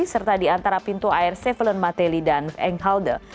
serta di antara pintu air cefalen matelli dan enghalde